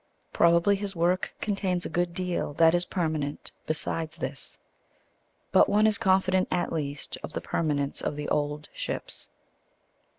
Probably his work contains a good deal that is permanent besides this. But one is confident at least of the permanence of The Old Ships.